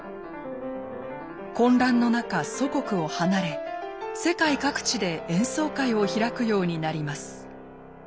混乱の中祖国を離れ世界各地で演奏会を開くようになります。